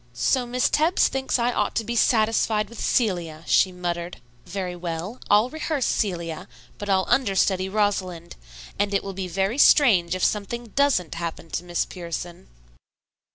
"So Miss Tebbs thinks I ought to be satisfied with 'Celia,'" she muttered. "Very well, I'll rehearse Celia, but I'll understudy Rosalind, and it will be very strange if something doesn't happen to Miss Pierson."